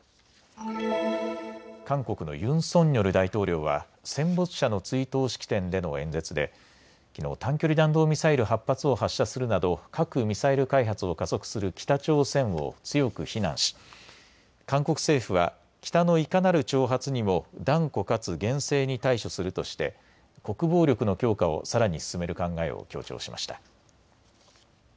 韓国のユン・ソンニョル大統領は戦没者の追悼式典での演説できのう短距離弾道ミサイル８発を発射するなど核・ミサイル開発を加速する北朝鮮を強く非難し韓国政府は北のいかなる挑発にも断固かつ厳正に対処するとして国防力の強化をさらに進める考えを強調しました。